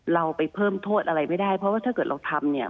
เราไปเพิ่มโทษอะไรไม่ได้เพราะว่าถ้าเกิดเราทำเนี่ย